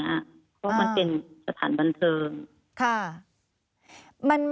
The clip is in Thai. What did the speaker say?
เพราะมันเป็นสถานบันเทิง